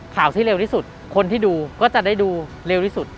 ข่าวที่เร็วที่สุดคนที่ดูก็จะได้ดูเร็วที่สุด